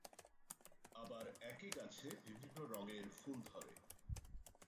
আবার একই গাছে বিভিন্ন রঙের ফুল ধরে।